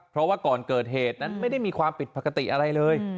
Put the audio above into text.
เพราะว่าก่อนเกิดเหตุนั้นไม่ได้มีความผิดปกติอะไรเลย